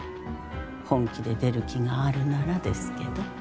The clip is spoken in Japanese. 本気で出る気があるならですけど。